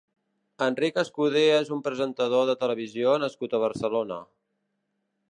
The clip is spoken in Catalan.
Enric Escudé és un presentador de televisió nascut a Barcelona.